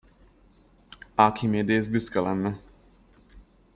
Arkhimédész büszke lenne.